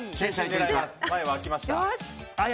前は空きました。